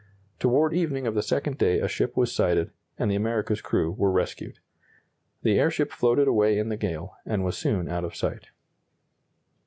Toward evening of the second day a ship was sighted, and the America's crew were rescued. The airship floated away in the gale, and was soon out of sight.